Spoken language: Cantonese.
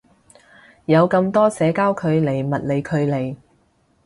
有咁多社交距離物理距離